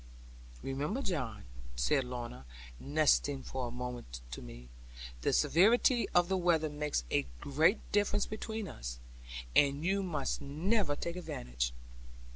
'Remember, John,' said Lorna, nestling for a moment to me; 'the severity of the weather makes a great difference between us. And you must never take advantage.'